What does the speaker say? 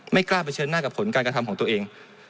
ไม่กล้าเผชิญหน้ากับผลการกระทำของตัวเอง